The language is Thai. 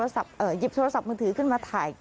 หยิบโทรศัพท์มือถือขึ้นมาถ่าย